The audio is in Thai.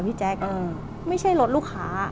พี่แจ๊คไม่ใช่รถลูกค้า